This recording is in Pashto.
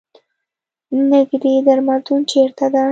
نیږدې درملتون چېرته ده؟